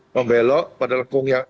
membelok pada lengkung yang